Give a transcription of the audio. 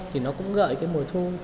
thì nó cũng gợi cái mùa thu